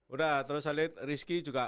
udah terus saya lihat rizky juga